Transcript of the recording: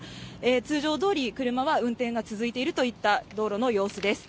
通常どおり車は運転が続いているといった道路の様子です。